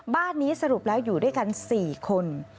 บ้านนี้สรุปแล้วอยู่ด้วยกัน๔คน